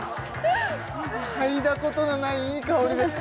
嗅いだことのないいい香りです